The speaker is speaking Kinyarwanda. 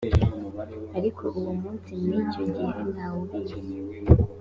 ariko uwo munsi n icyo gihe nta wubizi